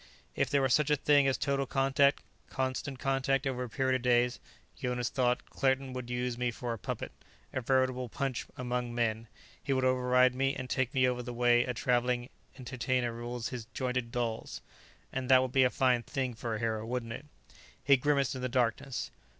If there were such a thing as total contact, constant contact over a period of days, Jonas thought, Claerten would use me for a puppet, a veritable Punch among men; he would override me and take me over the way a traveling entertainer rules his jointed dolls. And that would be a fine thing for a hero, wouldn't it? He grimaced in the darkness.